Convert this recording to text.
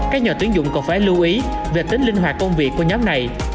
các nhà tuyến dụng còn phải lưu ý về tính linh hoạt công việc của nhóm này